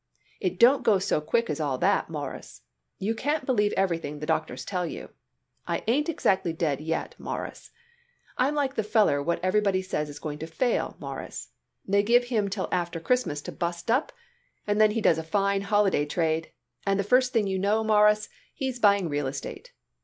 "It don't go so quick as all that, Mawruss. You can't believe everything the doctors tell you. I ain't exactly dead yet, Mawruss. I'm like the feller what everybody says is going to fail, Mawruss. They give him till after Christmas to bust up, and then he does a fine holiday trade, and the first thing you know, Mawruss, he's buying real estate.